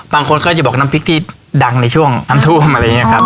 บางคนก็จะบอกน้ำพริกที่ดังในช่วงน้ำท่วมอะไรอย่างนี้ครับ